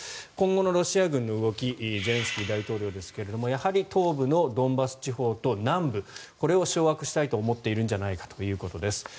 今後のロシア軍の動きゼレンスキー大統領ですがやはり東部のドンバス地方と南部これを掌握したいと思っているんじゃないかということです。